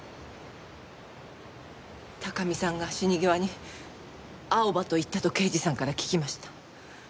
高見さんが死に際にアオバと言ったと刑事さんから聞きました。